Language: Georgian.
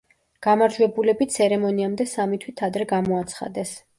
გამარჯვებულები ცერემონიამდე სამი თვით ადრე გამოაცხადეს.